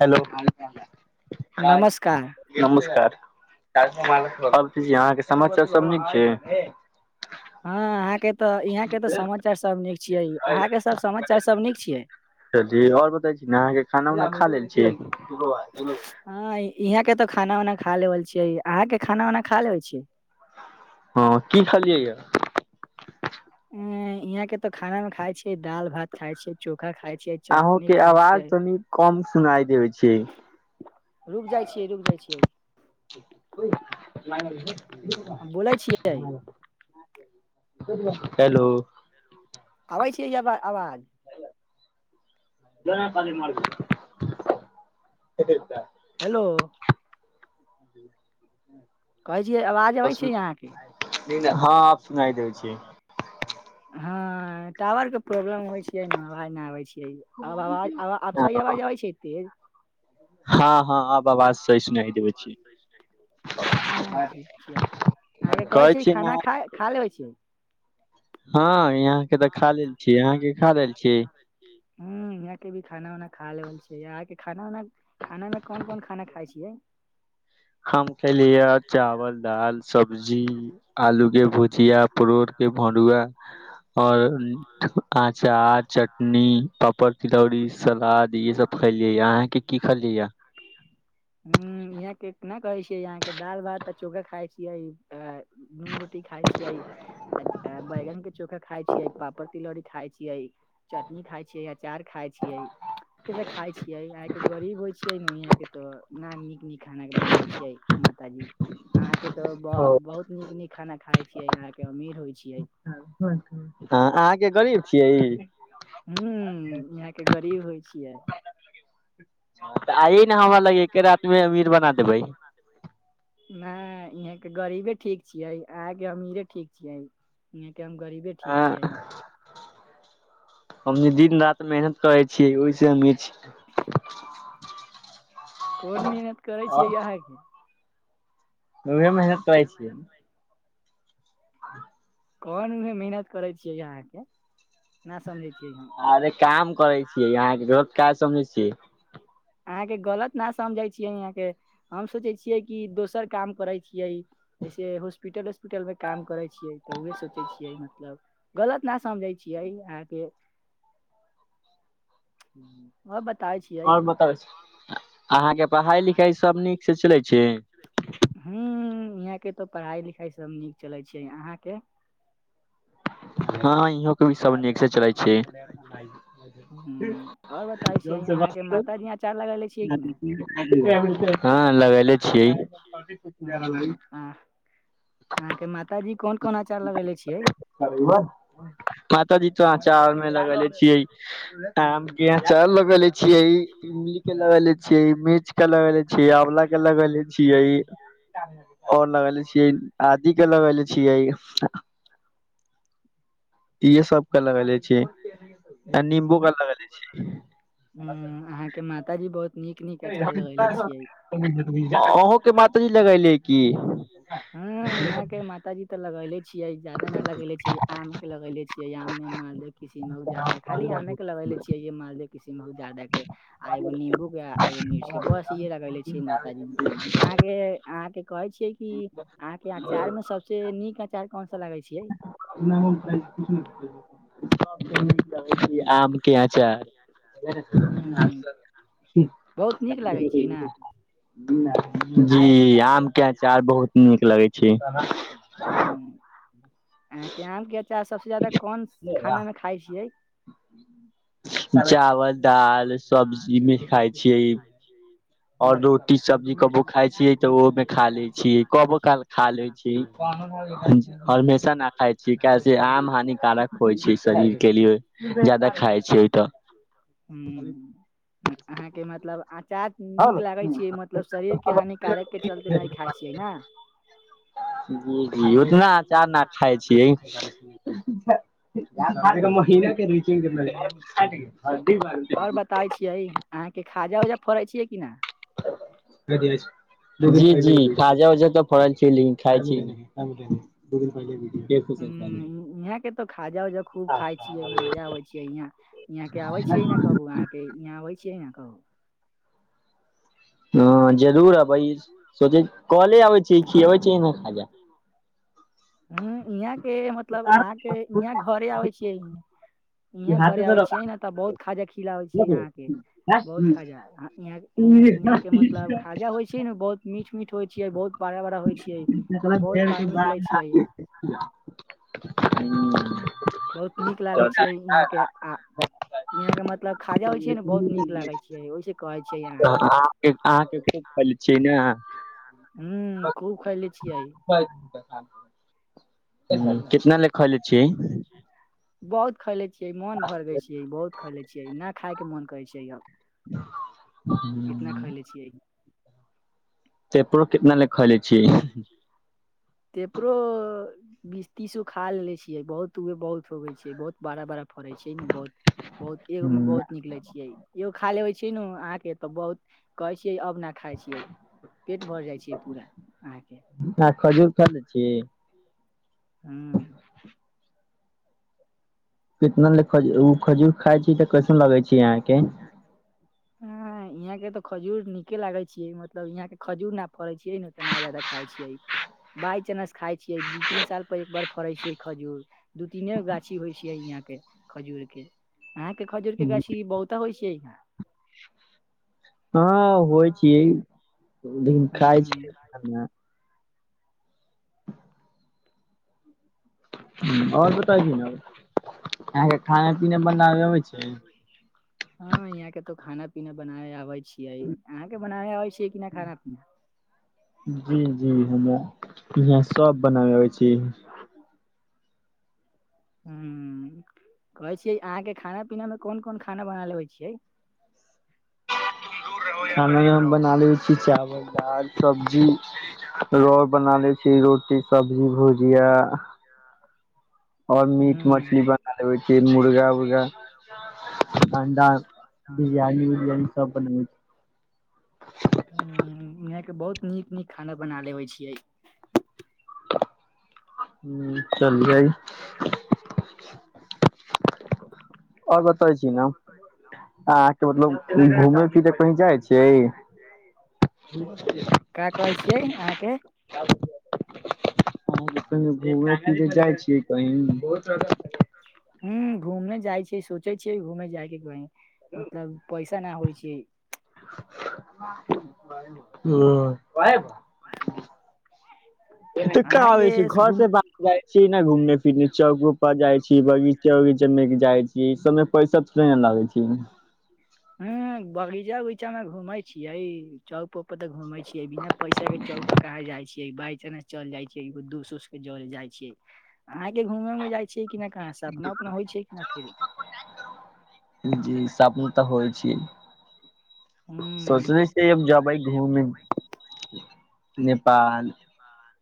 Hello. नमस्कार। नमस्कार अहाँकेँ समाचार सभ नीक छै हँ अहाँकेँ तऽ यहाँकेँ तऽ समाचार सभ नीक छीियै अहाँकेँ सभ समाचार सभ नीक छियै जी आओर बै छी ने अहाँकेँ खाना उना खा लेल छियै हँ यहाँ के तो खाना उाना खा लेल छी। अहाँकेँ खाना उना खा ले छी हैं कि खाली यहाँ के तो खाना मे खाय छै दाल भात खाय छै चोखा खाय छै अहाँकेँ आवाज तनि कम सुनाइ देबे छै। रुक जाइ छियै रुक जाइ छियै भी ल हम बोलै छियै [unintelligible] हेलो। आबै छी आब आवाज। पानी [unintelligible] हेलो। [inaudible] कहै छियै आवाज अबै छै अहाँकेँ नहि नहि हँ आ सुनाइ दे छिय ह टावर के प्रॉब्लम होइ छियै नेाज नहि आबै छियै आब आवाज आसी आवाज आबै छैत ह ह अब अबाज सही सुनइ देबै छी हँ ठीक छियै अहाँकेँ कहै छी खाना खा खाल ले हो छिय हँ यहाँ के तऽ खा लेल छिय यहाँ के खा लेल छी हू यहाँकेँ भी खाना उाना खा ले छै यहाँकेँ खाना उना खाना मे कोन कोन खाना खाइ छियै हम खेलिय चावल दाल सब्जी आलू के भुजिया परो के भरुआ आओर अचार चटनी पापड़ तिलौरी सलाद ईे सभ खेलियै य अहाँकेँ कि कहल जैया ह यहाँकेँ केना कहै छियै यहाँकेँ दाल भात चोखा खाय छियै नून रोटी रो खाय छियै बैगन के चोखा खाय छियै पापड़ तिलौरी खाय छियै चटनी खाय छियै अचार खाय छियै [inaudible] से तऽ खाय छियै आ केँ गरीब होइ छियै केँ तऽ ना नीक नीक खाना कऽ बनाबै छियै माताजी अहाँकेँ तो बहुत नीक नीक खाना खाय छीयै अहाँ केँ अमीर होइ छियै [unintelligible] ह यहाँकेँ छियै गरीब छियै हू यहाँ केँ गरीब होइ छियै [inaudible] तऽ आइ न हमरा लग एके रात मे अमीर बना देबै नै इहें केँ गरीबे ठीक छियै अहाँ केँ अमीरे ठीक छियै इहाँ केँ हम गरीबे ठीक छियै [unintelligible] हम नी दिन रात मेहनत करै छियै ओए से अमीर छि [inaudible] कोन मेहनत करै छियै अहाँकेँ उहे मेहनत करै छिय [inaudible] कोन उहे मेहनत करै छियै यहाँकेँ ना समझे छियै हम अरे काम करे छियै अहाँकेँ गलत काज समझै छियै अहाँकेँ गलत न समझे छियै यहाँकेँ हम सोचे छियै कि दोसर काम करे छियै जैसे हॉस्पिटल उस्पिटल में काम करे छियै तऽ उहे सोचे छियै गलत ना समझै छियै अहाँ केँ और बताबै [inaudible] छियै और बताबै छै [inaudible] अहाँकेँ पढ़ाई लिखाई सब नीक से चलै छै [unintelligible] यहाँकेँ तऽ पढ़ाइ लिखाइ सब नीक चलै छै अहाँकेँ हँ इहों केँ भी सब नीक से चलै छै और बताै छी अहाँकेँ माताजी अचार लगेले छियै कि ना [unintelligible] हँ लगेले छियै [unintelligible] अहाँ केँ माताजी कोन कोन अचार लगेेले छियै [unintelligible] मात जी तो अचार मे लगेले छियै आम इ अचार लगेले छीये इमली केँ लगेेले छीये मिर्च केँ लगेेले छीये आंवला केँ लगे लगेके छियै ओर लगेले छियै आदि कऽ लगेले छियै इहे सब केँ लगेले छियै [inaudible] नंबू कऽ लगेले छियै हू अहाँ केँ माताजी बहुत नीक नीक अचार लगेले छियै [unintelligible] अहूँ केँ माती जी लगले यऽ की हँ यहाँ केँ माताजी तऽ लगेले छियै जादा ना लगेले छियै आम कऽ लगेले छियै मालदे किशिनभोग जर्दा खाली आमे केँ लगे छियै य मालदे के किशन भोग जादा केँ आ एगो नम्बू केँ आ एगो मिर्च केँ बस इे लगले छिय माताजी अहाँकेँ अहाँकेँ कहै छियै की अहाँकेँ अचार में सबस नीक अचार कैन सा लागे छियै [unintelligible] आम केँ आचार हम्म, [unintelligible] बहुत नीक लागै छै ने [unintelligible] [inaudible] जी आम केँ अचार बहुत नीक लगै छै [unintelligible] अहाँकेँ आम केँ अचार सबसँ जायदा कोन खानामे खाइ छियै। चावल दाल सब्जीमे खाई छियै। जी और रोटी सब्जी कबो खाय छीयै तऽ ओहो मे खा ले छीयै कबो काल खा लै छी। ह हमेशा न खाइ छी किया से आम हानिकारक होइ छै शरीर के किया जादा खाई छिये तऽ। ह अहाँ केँ मतलब अचार नीक लागेय। ई मतलब शरीर के हानिकारक के चलते नहि खाय छियै ने। जी उतना अचार नहि खाय छियै। इन रचै। [unintelligible] बता छियै अहाँकेँ खाजा उजा फड़ै छियै किने। जी जी खाजा उजा त फरल छै खाइ छी नहि दऽ पहिल देख। यहाँकेँ तो खाजा उजा खूब खायइ छियै मजा आबै छियै यहा यहाँ के आबे छियै ने कह। के इहा अबै छियै इहाँ कहू। हँ जरूर अबै सोचे कले अबै छी खियबै छी नहि खा ह इहाँ के मतलब अहाँकेँ इहाँ घरे आबै छियै। इहे घरे आबे छियै ने तऽ बहुत खाजा खिलाबै छै यहाँकेँ बहुत खाजा। यहाँ के मतलब खाजा होइ छै ने बहुत मीठ मीठ होइ छै बहुत। बड़ा बारा होइ छियै बहुत पानि निकले छियै। हू। बहुत नीक लागै छियै यहाँकेँ आके। यहाँ के मतलब खाजा होइ छै ने बहुत नीक लागै छै ओहिसे कहै छियै यहाँ के। अहाँकेँ आ फल छियै ने अह। हू खूब खइले छीय आई। ह। [unintelligible] कितना लग। बहुत खैले छियै मोन भरबै छियै ई बहुत खैलै छियै नहि खायके मन करै छै अब ह। इतना खाले छिये पेपरो कितना खैले छियै। पेपरो। बीस तीसो खा लिये छियै बहुत उए बहुत होगे छै बहुत बड़ा बड़ा फड़े छैमे बहुत बहुत एक बहुत। निकले छियै एो खा लेबे छी न अहाँकेँ त बहुत कहे छियै अब न खाय छियै पेट भर जाय छै पूरा अहाँकेँ खजूर खाद छियै हू। ह। कितना लज खजूर खाय छी तऽ कैसन लगे छै यहाँकेँ ह यहाँकेँ तो खजूर निके लागे छी मतलब यहाँ के खजुर न फड़ै छियै ने तऽ नहि जादा खाइ छियै बाय चानस खाय छियै दू तीन साल पर एक बार फड़े छियै खजूर दू तीने गाछी होइ छै यहाँंकेँ खजूर के अहाँकेँ खजूर के गाछी बहुता होइ छै हँ होइ छियै न खाय हूँ छै आओर बताै छी ने यहाँकेँ खाना पीना बनाब अबै छै हँ यहाँकेँ तो खाना पीना बनाबे आबै छियै अहाँकेँ बनाबे आबै छियै कि नै खाना पीना [inaudible] जी जी हमों यहाँ सब बनाबै आब छियै [unintelligible] कहै छियै अहाँकेँ खाना पीना मे कोन कोन खाना बना लेबै छियै [unintelligible] खानामे हम बना लैत छी चावल दाल सब्जी रो बना ले छी रोटी सब्जी भुजिया [unintelligible] और मीट मछली ह बना लेबै मुर्गा उर्गा [unintelligible] अंडा [inaudible] बिरयानी उरियानी सब बनाबे छियै [unintelligible] यहाँकेँ बहुत नीक नीक खाना बना लेबै छियै [unintelligible] [inaudible] और बतै छी न अहाँकेँ मतलब घूम फिर कही जाइ छियै [unintelligible] का कहै छियै [unintelligible] अहाँके घु फिर जाइ छियै कह बहुत हू घूम जाइ छी सोचे छियै घूमे जाय केँ कही मतलब पैसा ना होइ छै [unintelligible] [unintelligible] अहाँके घूम जाय छी न घूम फिरे चौकोप जाय छी बगीचा उगीचा मे जाय छी ई सब मे पैसा थोड़े न लागे छै हू बगीचा उगीचा में घूमे छियै चौक - पर तऽ घूमे छीे बिना पैसा केँ चौक पर कहै जाइ छै बाइ चानंस चल जाइ छै एगो दूस उस केँ जरे जाइ छियै अहाँकेँ घूमे में जाइ छीयै कि ना कहाँ से सपना उपना होइ छै कि ना फिर [unintelligible] जी सपना तऽ होइ छी सोचल हूँ छियै अब जबै धूमें [inaudible] नेपाल नेपाल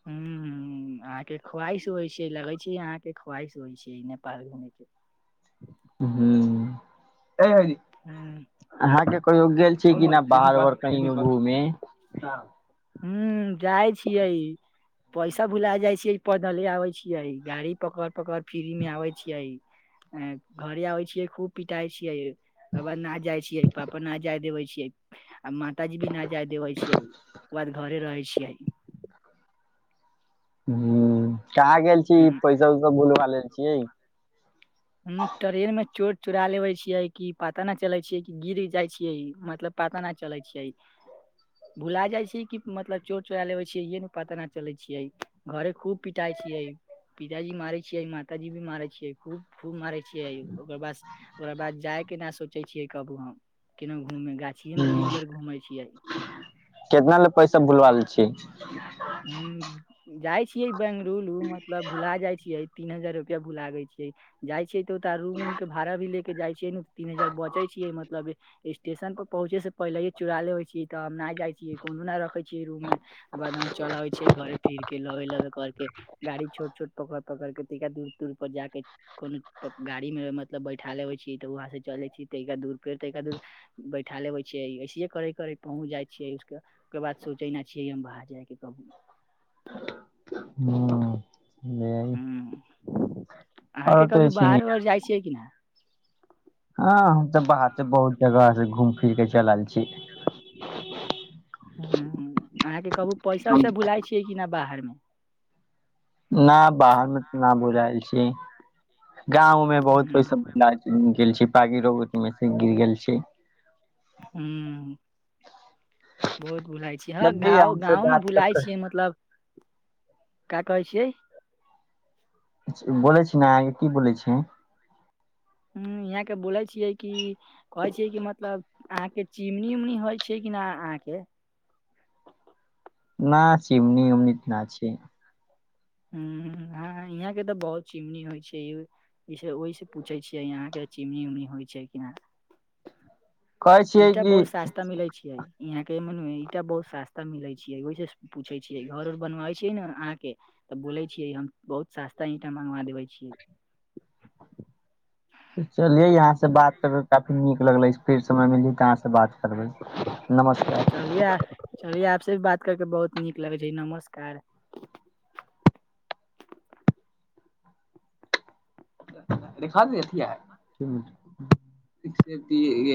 [unintelligible] अहाँकेँ ख्वाहिश होइ छै लगै छै अहाँकेँ ख्वाहिश होइ छै नेपाल घूम केँ [unintelligible] हूँ [inaudible] अहाँकेँ कहियो गेल छियै कि ना बाहर उघार कहियों घूमे हू जाइ छियै पैसा भुला जाइ छियै पैदले आबे छियै गाड़ी पकड़ पकड़ फ्री में आबे छियै घरे आबै छियै खूब पिटाइ छियै तकर बाद न जाइ छियै पापा न जाय देबे छियै आ माताजी भी न जाय देबै छियै ओकर बाद घरे रहै छियै हू कहाँ गेल छियै हूँ पैसा उसा भूलबा लेल छियै [inaudible] ट्रेन में चोर चोरा लेबे छियै कि पता न चले छियै कि गिर जाइ छियै मतलब। पता नै चलै छियै [inaudible] भुला जाइ छै कि मतलब चोर चोरा लेबे छै इे न पता नै चले छियै घरे खूब पिटाई छियै। पिताजी मारे छियै माताजी भी मारै छियै खूब खूब मारे छियैओकर बास ओकरा बाद जाए केँ ना सोचै छियै कबै हम [inaudible] कैनो घूमने गाछ गाछी में दिन घूमै छियै कितना ले पैसा भुलवाल छी [unintelligible] [unintelligible] जाए छियै बेंगलुरु मतलब भुला जाए छियै तीन हजार रुपआ भुला गेल छियै जाइ छियै तऽ ओ रूम उम केँ भाड़ा भी ले केँ जाइ छियै न तीन हजार बचैय छियै मतलब स्टेशन पर पहुँचे से पहिले चुरा लेबइ छीयै तऽ हम नै जाए छियै कहुनौ न रखै छियै [unintelligible] [unintelligible] दूर दूर पर जा केँ कोनो तऽ गाड़ी मे मतलब बैठा लेबै छीयै तऽ वहाँ से चल जाए छियै तइका दूर भेर तइका दुर बैठा लेबै छियै ऐसे करे करे पहुँच जाई छियै उसकेँ ओकर बाद सोचै ना छियै हम बाहर जाय केँ कबों [unintelligible] हूँ अहाँके कभी [unintelligible] बाहर जाइ छियै कि नै हँ हम तऽ बाहर सँ बहुत जगह से घूम फिर कऽ चल आयल छि [inaudible] [inaudible] अहाँकेँ कबौ पैसा वैसा भुलाइ छियै कि नहि बाहर मे ना बाहर मे तऽ ना भुलैल छी [inaudible] गांव में हूँ बहुत पैसा [unintelligible] [unintelligible] बहुत भुलाइ छी हँ चलियै गाँव हम से गाँव मऽ बात कर भुलाइ कर छियै मतलब का कहै छियै बोलै छि अहाँकेँ की बोलै छियै हू इहाँकेँ बोलै छियै कि कहै छियै कि मतलब अहाँकेँ चिमनी उमनी होइ छै कि ना अहाँकेँ ना चिमनी उमनी ना छी हम [unintelligible] अहाँकेँ तऽ बहुत चिमनी होइ छै इ से ओइसे पूछे छियै यहाँकेँ चिमनी ऊमनी होई छै कि ना कहै छियै ईटा कि बहुत सस्ता मिलेय छैय यहाँकेँ मन में ईटा बहुत सस्ता मिले छैय ओहिसं पूछै छियै घर उर बनबै छियै न अहाँकेँ तऽ बोले छियै हम बहुत सस्ता ईंटा मंगवा देबे छियै चलैए यहाँ स बात कऽ कै काफी निक लगलै फिर समय मिली तऽ अहाँ स बार करबै [inaudible] नमस्कार चलिय चलिये आपसे भी बात करके बहुत नीक लगे छै नमस्कार। [unintelligible]